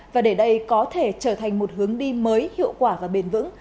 và để đây có thể trở thành một hướng đi mới hiệu quả và bền vững